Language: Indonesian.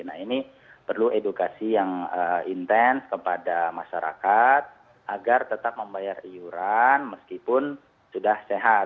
nah ini perlu edukasi yang intens kepada masyarakat agar tetap membayar iuran meskipun sudah sehat